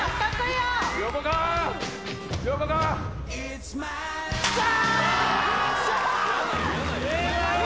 よっしゃ！